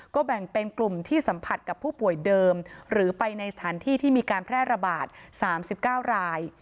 ก็แบ่งเป็นกลุ่มที่สัมผัสกับผู้ป่วยเดิมหรือไปในสถานที่ที่มีการแพร่ระบาด๓๙ราย